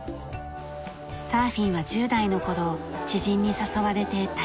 サーフィンは１０代の頃知人に誘われて体験しました。